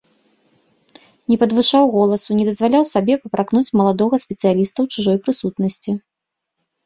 Не падвышаў голасу, не дазваляў сабе папракнуць маладога спецыяліста ў чужой прысутнасці.